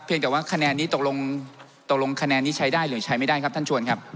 กับว่าคะแนนนี้ตกลงตกลงคะแนนนี้ใช้ได้หรือใช้ไม่ได้ครับท่านชวนครับ